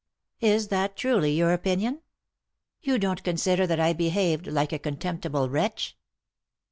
" Is that truly your opinion ? You don't consider that I behaved like a contemptible wretch